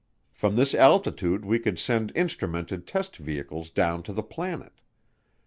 From this altitude we could send instrumented test vehicles down to the planet.